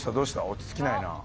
落ち着きないな。